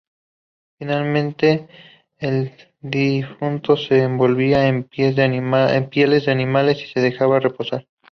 Finalmente, el difunto se envolvía en pieles de animales y se dejaba reposar.